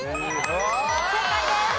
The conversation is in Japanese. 正解です。